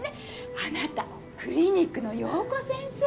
あなたクリニックの陽子先生。